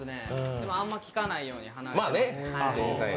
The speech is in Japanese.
でも、あまり聞かないように離れています。